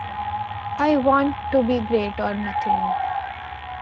I want to be great, or nothing.